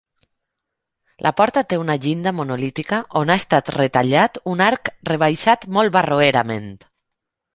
La porta té una llinda monolítica on ha estat retallat un arc rebaixat molt barroerament.